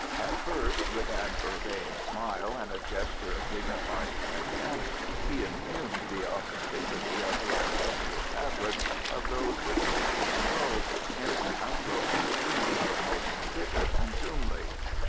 At first, with an urbane smile and gestures of dignified contempt, he impugned the authenticity of the Ancestral Tablets of those with whom he strove, in an unbroken stream of most bitter contumely.